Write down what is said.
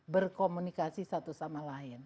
berkomunikasi satu sama lain